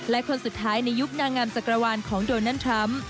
และคนสุดท้ายในยุคนางามจักรวาลของโดนัลดทรัมป์